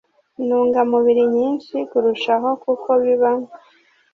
intungamubiri nyinshi kurushaho kuko biba